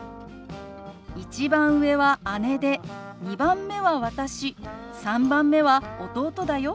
「１番上は姉で２番目は私３番目は弟だよ」。